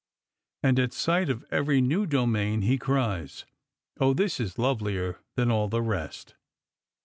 And at sight of every new domain he cries, " Oh, this is lovelier than all the rest